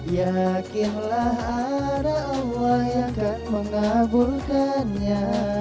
yakinlah ada allah yang akan mengaburkannya